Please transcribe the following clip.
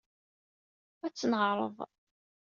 Ad tt-neɛreḍ.